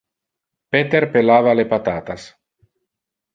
Peter pellava le patatas.